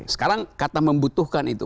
sekarang kata membutuhkan itu